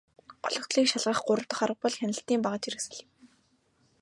Гологдлыг шалгах гурав дахь арга бол хяналтын багажхэрэгслэл юм.